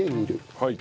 はい。